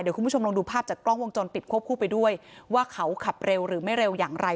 คุณผู้ชมลองดูภาพจากกล้องวงจรปิดควบคู่ไปด้วยว่าเขาขับเร็วหรือไม่เร็วอย่างไร